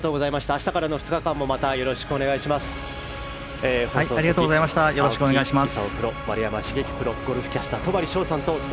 明日からの２日間もまたよろしくお願いします。